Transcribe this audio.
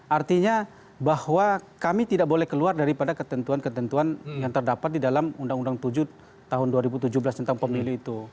artinya bahwa kami tidak boleh keluar daripada ketentuan ketentuan yang terdapat di dalam undang undang tujuh tahun dua ribu tujuh belas tentang pemilu itu